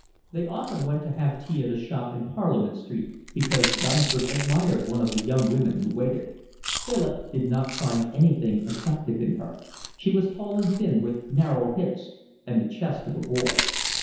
They often went to have tea at a shop in Parliament Street, because Dunsford admired one of the young women who waited. Philip did not find anything attractive in her. She was tall and thin, with narrow hips and the chest of a boy.